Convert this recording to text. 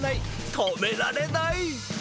止められない！